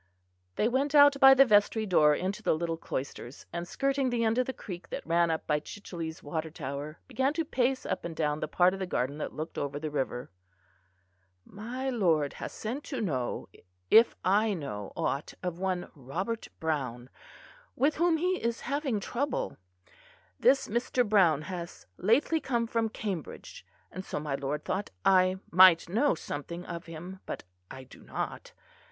They went out by the vestry door into the little cloisters, and skirting the end of the creek that ran up by Chichele's water tower began to pace up and down the part of the garden that looked over the river. "My lord has sent to know if I know aught of one Robert Browne, with whom he is having trouble. This Mr. Browne has lately come from Cambridge, and so my lord thought I might know something of him; but I do not.